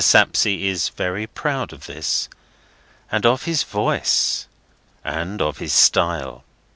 Sapsea is very proud of this, and of his voice, and of his style.